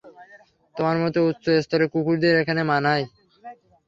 তোমার মতো উচ্চ স্তরের কুকুরদের এখানেই মানায়।